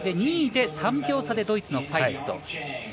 ２位で３秒差でドイツのファイスト。